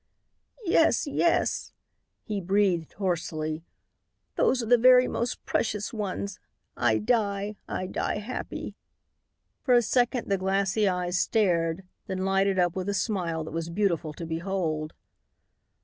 "Yes, yes," he breathed hoarsely. "Those are the very most precious ones. I die I die happy." For a second the glassy eyes stared, then lighted up with a smile that was beautiful to behold.